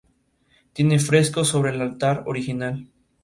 Tiene frescos sobre el altar original.